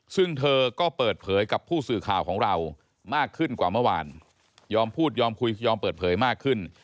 ซึ่งเธอก็เปิดเผยกับผู้สื่อข่าวของเรามากขึ้นกว่าเมื่อวานยอมพูดยอมคุยยอมเปิดเผยมากขึ้น